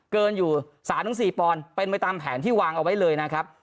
เกินอยู่๓๔ปอนด์เป็นไปตามแผนที่วางเอาไว้เลยนะครับ